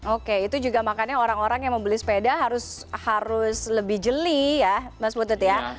oke itu juga makanya orang orang yang membeli sepeda harus lebih jeli ya mas putut ya